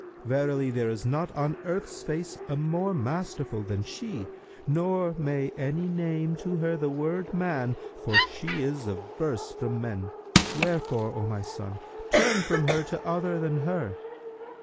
Verily there is not on earth's face a more masterful than she, nor may any name to her the word 'man', for she is averse from men. Wherefore, O my son, turn from her to other than her."